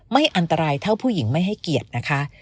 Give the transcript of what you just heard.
อันตรายเท่าผู้หญิงไม่ให้เกียรตินะคะ